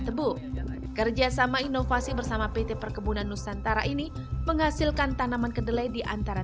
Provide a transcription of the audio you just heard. tebu kerjasama inovasi bersama pt perkebunan nusantara ini menghasilkan tanaman kedelai diantara